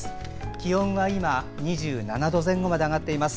気温は今、２７度前後まで上がっています。